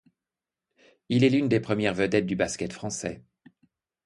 Il est l'une des premières vedettes du basket français.